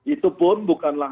itu pun bukanlah